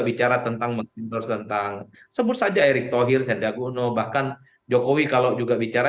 bicara tentang mesiners tentang sebut saja erick thohir sendagono bahkan jokowi kalau juga bicara